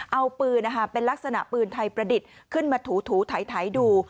เอาปืนเป็นลักษณะปืนไทยประดิษฐ์ขึ้นมาถูไถดู